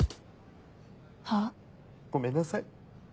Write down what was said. は？ごめんなさい。